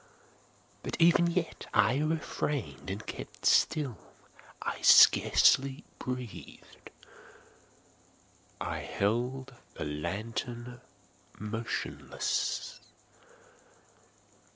But even yet I refrained and kept still. I scarcely breathed. I held the lantern motionless.